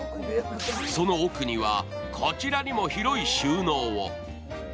その奥には、こちらも広い収納を。